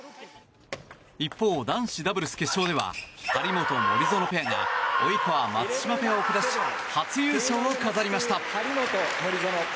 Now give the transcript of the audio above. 一方、男子ダブルス決勝では張本、森薗ペアが及川、松島ペアを下し初優勝を飾りました。